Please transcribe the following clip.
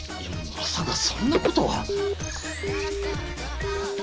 まさかそんなことは。